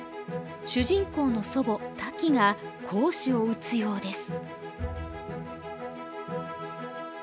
主人公の祖母タキが好手を打つようです。